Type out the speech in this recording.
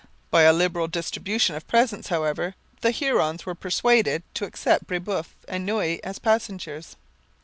By a liberal distribution of presents, however, the Hurons were persuaded to accept Brebeuf and Noue as passengers.